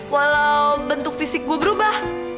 walau bentuk fisik gue berubah